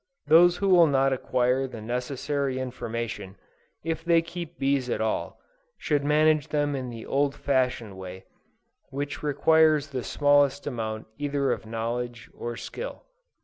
Those who will not acquire the necessary information, if they keep bees at all, should manage them in the old fashioned way, which requires the smallest amount either of knowledge or skill.